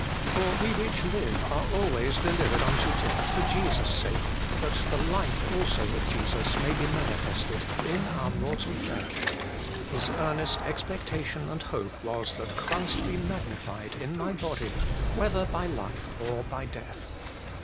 For we which live are always delivered unto death for Jesus' sake, that the life also of Jesus may be manifested in our mortal flesh' His earnest expectation and hope was, ' that Christ be magnified in my body, whether by life or by death.'